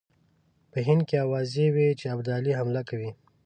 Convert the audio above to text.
په هند کې آوازې وې چې ابدالي حمله کوي.